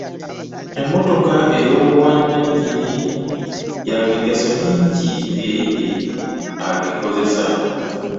Emmotoka ey'obwannanyini ya migaso mingi eri agikozesa .